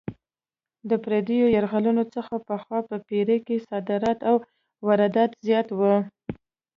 د پردیو یرغلونو څخه پخوا په پېړۍ کې صادرات او واردات زیات وو.